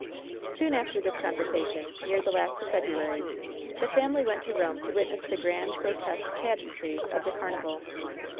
Soon after this conversation, near the last of Febru ary, the family went to Rome to witness the grand grotesque pageantry of the carnival.